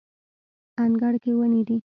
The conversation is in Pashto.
انګړ کې ونې دي